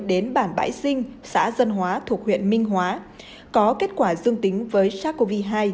đến bản bãi sinh xã dân hóa thuộc huyện minh hóa có kết quả dương tính với sars cov hai